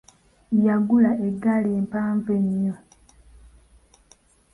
Yagula egaali empanvu ennyo.